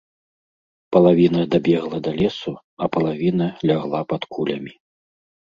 Палавіна дабегла да лесу, а палавіна лягла пад кулямі.